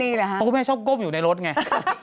เพราะคุณแม่ชอบก้มอยู่ในรถไง